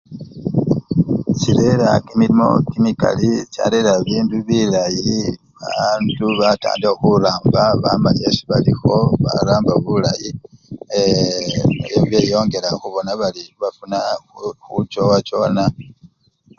Chirera kimilimo kimikali charera bibindu bilayi, babandu bancha khuramba bamanya syesi balikho, baramba bulayi lundi beyongela khubona bari bafuna khu! khuchowachowana.